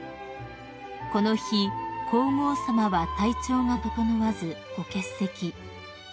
［この日皇后さまは体調が整わずご欠席］